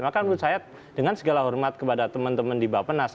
maka menurut saya dengan segala hormat kepada teman teman di bapenas